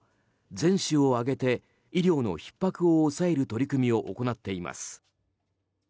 全市を挙げて医療のひっ迫を抑える取り組みを行っています。